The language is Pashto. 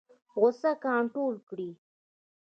غوسه کنټرول کړئ